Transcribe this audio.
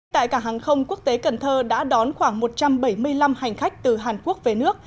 tại cảng hàng không quốc tế cần thơ đã đón khoảng một trăm bảy mươi năm hành khách từ hàn quốc về nước